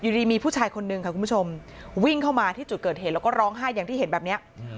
ดีมีผู้ชายคนนึงค่ะคุณผู้ชมวิ่งเข้ามาที่จุดเกิดเหตุแล้วก็ร้องไห้อย่างที่เห็นแบบนี้